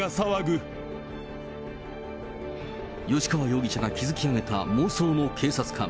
吉川容疑者が築き上げた妄想の警察官。